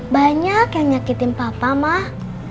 banyak yang nyakitin papa mah